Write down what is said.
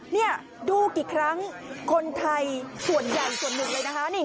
นี่ดูกี่ครั้งคนไทยส่วนใหญ่ส่วนหนึ่งเลยนะคะ